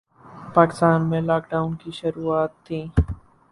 پاکستان میں lockdown کی شروعات تھیں